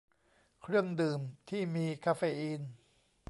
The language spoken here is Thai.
เครื่องดื่มที่มีคาเฟอีน